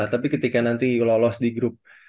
tapi ketika nanti lolos di grup